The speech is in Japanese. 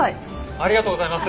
ありがとうございます！